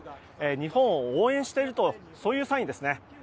日本を応援しているとそういうサインですね。